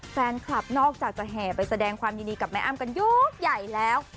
แฟนคลับนอกจากจะแห่ไปแสดงความยินดีกับแม่อ้ำกันยกใหญ่แล้ว